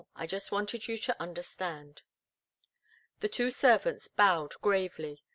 I just wanted you to understand." The two servants bowed gravely.